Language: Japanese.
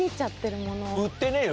売ってねえよ！